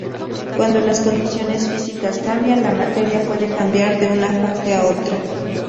Cuando las condiciones físicas cambian, la materia puede cambiar de una fase a otra.